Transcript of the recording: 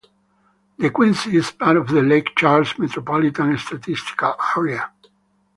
DeQuincy is part of the Lake Charles Metropolitan Statistical Area.